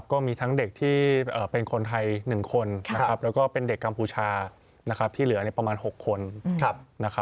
ก็มีทั้งเด็กที่เป็นคนไทย๑คนแล้วก็เป็นเด็กกัมพูชาที่เหลือประมาณ๖คน